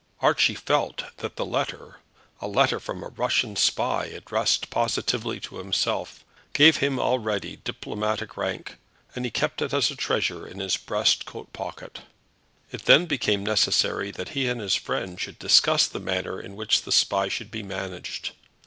Archie felt that the letter, a letter from a Russian spy addressed positively to himself, gave him already diplomatic rank, and he kept it as a treasure in his breast coat pocket. It then became necessary that he and his friend should discuss the manner in which the Spy should be managed.